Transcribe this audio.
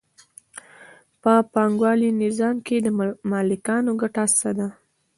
په پانګوالي نظام کې د مالکانو ګټه څه ده